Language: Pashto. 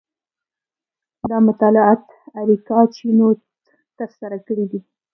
دا مطالعات اریکا چینوت ترسره کړي دي.